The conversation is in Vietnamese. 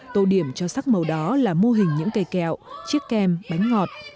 tô điểm cho sắc màu đó là mô hình những cây kẹo chiếc kem bánh ngọt